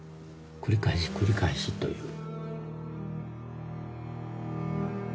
繰り返し繰り返しという。